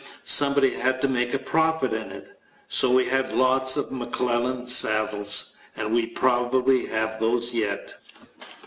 Somebody had to make a profit in it so we had a lot of McClellan saddles. And we probably have those yet.